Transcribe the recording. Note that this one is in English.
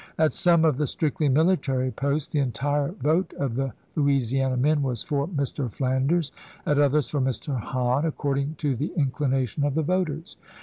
At some of the strictly military posts, the entire vote of the Louisiana men was for Mr. Flanders, at others for Mr. Hahn, according to the inclination of the voters.